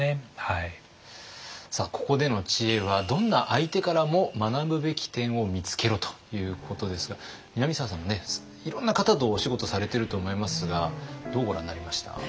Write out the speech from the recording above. さあここでの知恵は「どんな相手からも学ぶべき点を見つけろ！」ということですが南沢さんもねいろんな方とお仕事されてると思いますがどうご覧になりました？